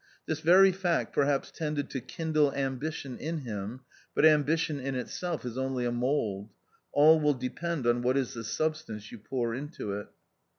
This very fact perhaps tended to kindle ambition in him, but ambition in itself is only a mould ; all will depend on what is the sub stance you pour into it.